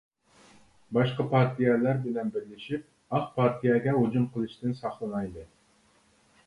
باشقا پارتىيەلەر بىلەن بىرلىشىپ ئاق پارتىيەگە ھۇجۇم قىلىشتىن ساقلىنايلى.